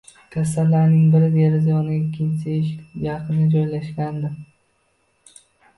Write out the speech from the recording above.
Kasallarning biri deraza yoniga, ikkinchisi eshik yaqiniga joylashgandi